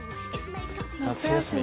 「夏休み？」